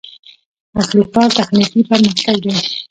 اصلي کار تخنیکي پرمختګ دی.